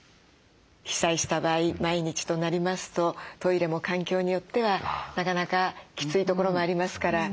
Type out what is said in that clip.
被災した場合毎日となりますとトイレも環境によってはなかなかきついところもありますから。